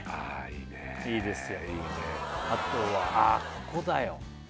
ここだよ